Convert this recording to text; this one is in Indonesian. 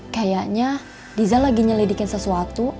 kayaknya diza lagi nyelidikin sesuatu